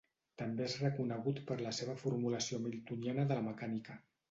També és reconegut per la seva formulació hamiltoniana de la mecànica.